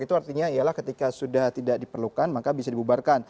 itu artinya ialah ketika sudah tidak diperlukan maka bisa dibubarkan